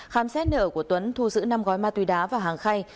khám xét nợ của tuấn thu giữ năm gói mạc túy đá và hàng khay